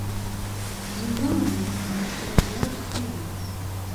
Yuba ad iruḥ ɣer Ustṛalya deg Tubeṛ.